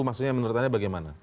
maksudnya menurut anda bagaimana